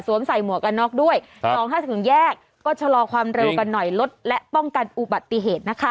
ใส่หมวกกันน็อกด้วย๒๕ถึงแยกก็ชะลอความเร็วกันหน่อยลดและป้องกันอุบัติเหตุนะคะ